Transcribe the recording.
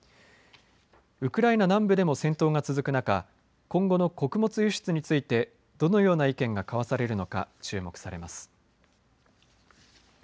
ウクライナ南部でも戦闘が続く中、今後の穀物輸出についてどのような意見が交わされるのか注目されます。